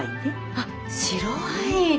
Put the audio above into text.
あっ白ワイン！